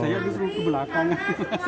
saya disuruh ke belakang